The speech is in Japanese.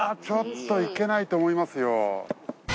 ちょっといけないと思いますよ。